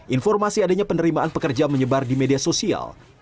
informasi adanya penerimaan pekerja menyebar di media sosial